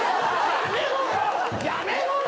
やめろよ！